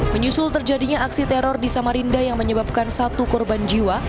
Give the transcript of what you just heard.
menyusul terjadinya aksi teror di samarinda yang menyebabkan satu korban jiwa